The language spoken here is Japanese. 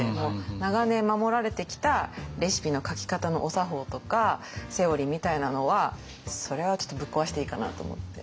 長年守られてきたレシピの書き方のお作法とかセオリーみたいなのはそれはちょっとぶっ壊していいかなと思って。